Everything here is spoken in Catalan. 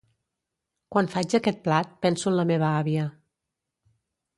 Quan faig aquest plat, penso en la meva àvia.